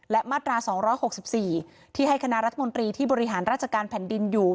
และมาตรา๒๖๔ที่ให้คณะรัฐมนตรีที่บริหารราชการแผ่นดินอยู่